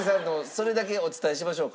それだけお伝えしましょうか？